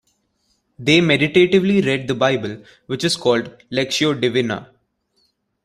They meditatively read the Bible, which is called Lectio Divina.